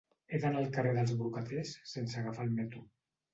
He d'anar al carrer dels Brocaters sense agafar el metro.